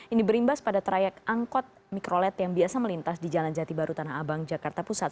ini berimbas pada trayek angkot mikrolet yang biasa melintas di jalan jati baru tanah abang jakarta pusat